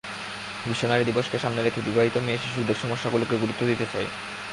বিশ্ব নারী দিবসকে সামনে রেখে বিবাহিত মেয়েশিশুদের সমস্যাগুলোকে গুরুত্ব দিতে চাই।